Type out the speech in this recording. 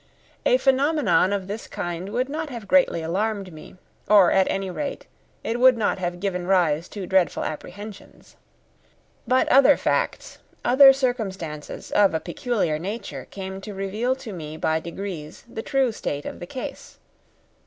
A phenomenon of this kind would not have greatly alarmed me, or at any rate it would not have given rise to dreadful apprehensions. But other facts, other circumstances, of a peculiar nature, came to reveal to me by degrees the true state of the case.